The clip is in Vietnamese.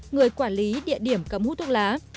người quản lý địa điểm cấm hút thuốc lá